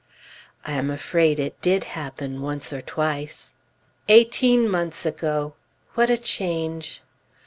I am afraid it did happen, once or twice. Eighteen months ago! What a change!